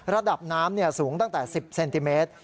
ระดับน้ำสูงตั้งแต่๑๐เซนติเมตร